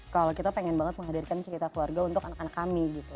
kalau kita pengen banget menghadirkan cerita keluarga untuk anak anak kami gitu